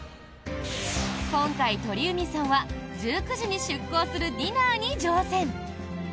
今回、鳥海さんは１９時に出航するディナーに乗船。